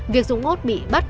việc dũng út bị bắt